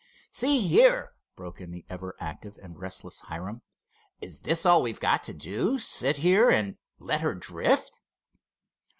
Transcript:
"See here," broke in the ever active and restless Hiram, "is this all we've got to do—sit here and let her drift?"